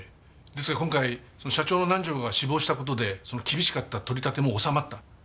ですが今回社長の南条が死亡した事でその厳しかった取り立ても治まった。